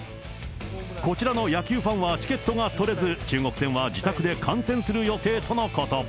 こちらの野球ファンは、チケットが取れず、中国戦は自宅で観戦する予定とのこと。